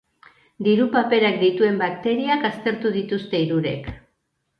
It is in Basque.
Diru-paperak dituen bakteriak aztertu dituzte hirurek.